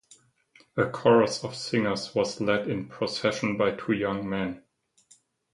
A chorus of singers was led in procession by two young men.